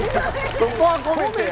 そこは込めてよ。